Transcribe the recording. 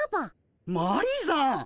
マリーさん！